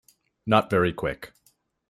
Not very Quick.